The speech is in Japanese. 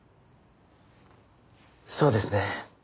そうですね。